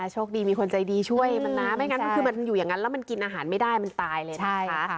โชคดีมีคนใจดีช่วยมันนะไม่งั้นมันคือมันอยู่อย่างนั้นแล้วมันกินอาหารไม่ได้มันตายเลยนะคะ